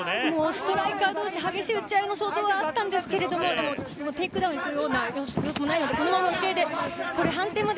ストライカー同士激しい打ち合いの想像があったんですけどテイクダウンに行くような様子もないので。